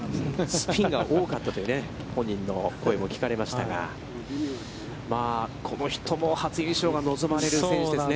スピンが多かったという本人の声も聞かれましたが、まあ、この人も初優勝が望まれる選手ですね。